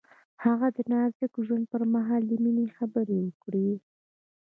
هغه د نازک ژوند پر مهال د مینې خبرې وکړې.